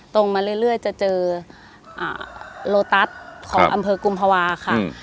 ตรงมาเรื่อยเรื่อยจะเจออ่าโลตัสของอำเภอกุมภาวะค่ะอืม